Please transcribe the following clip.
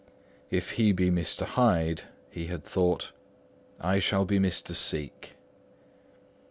"If he be Mr. Hyde," he had thought, "I shall be Mr. Seek."